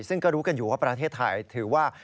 ซึ่งก็รู้กันอยู่ว่าประเทศไทยถือว่า